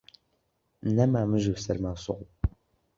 نەما مژ و سەرما و سۆڵ